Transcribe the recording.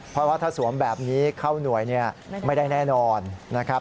เพราะว่าถ้าสวมแบบนี้เข้าหน่วยเนี่ยไม่ได้แน่นอนนะครับ